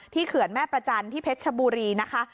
เขื่อนแม่ประจันทร์ที่เพชรชบุรีนะคะ